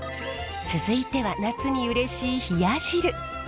続いては夏にうれしい冷や汁。